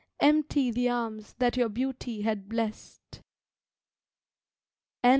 Empty the arms that your beauty had blessed.